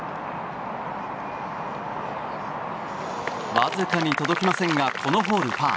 わずかに届きませんがこのホール、パー。